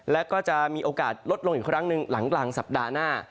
และก็จะมีโอกาสลดลงอีกครั้งหนึ่งหลังกลางสัปดาห์หน้า